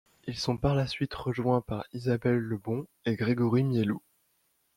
Ils sont par la suite rejoint par Isabel Lebon et Grégory Miellou.